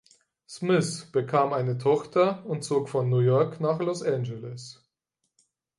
Smith bekam eine Tochter und zog von New York nach Los Angeles.